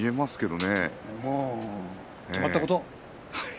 もう決まったこと。